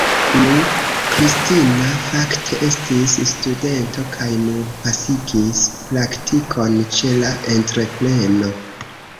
Nu, Kristina fakte estis studento kaj nur pasigis praktikon ĉe la entrepreno.